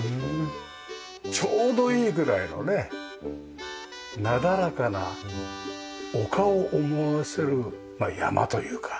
ちょうどいいぐらいのねなだらかな丘を思わせる山というか。